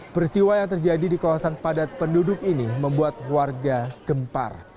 peristiwa yang terjadi di kawasan padat penduduk ini membuat warga gempar